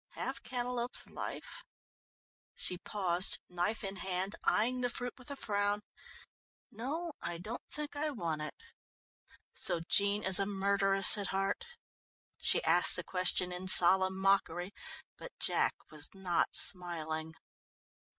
"Have cantaloups life?" She paused, knife in hand, eyeing the fruit with a frown. "No, I don't think I want it. So Jean is a murderess at heart?" She asked the question in solemn mockery, but Jack was not smiling.